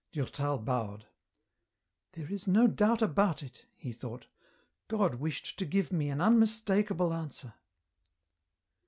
Durtal bowed. " There is no doubt about it," he thought, " God wished to give me an unmistakable answer."